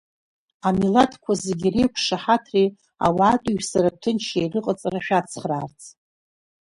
Амилаҭқәа зегьы реиқәшаҳаҭреи ауаатәыҩсаратә ҭынчреи рыҟаҵара шәацхраарц…